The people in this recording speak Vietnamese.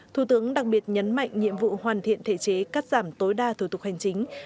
thủ tướng đặc biệt nhấn mạnh nhiệm vụ hoàn thiện thể chế cắt giảm tối đa thủ tục hành chính